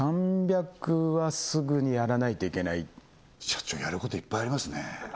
３００はすぐにやらないといけない社長やることいっぱいありますね